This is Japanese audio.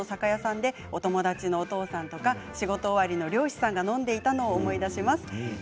漁師町だったので小学校に行く途中の酒屋さんでお友達のお父さんとか仕事終わりの漁師さんが飲んでいたのを思い出します。